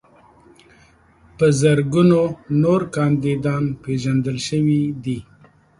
په زرګونو نور کاندیدان پیژندل شوي دي.